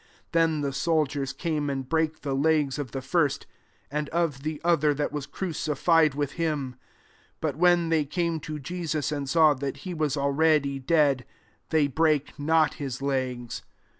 32 Then the sol> diers came, and brake the legs of the first, and of the other that was crucified with him : 33 but when they came to Je sus, and saw that he was already dead, they brake not his legs